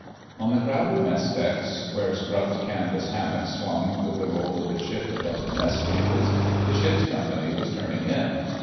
On the crowded mess decks, where scrubbed canvas hammocks swung with the roll of the ship above the mess tables, the ship's company was turning in.